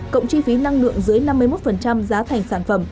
cộng chi phí năng lượng dưới năm mươi một giá thành sản phẩm